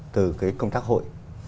từ cái công tác hội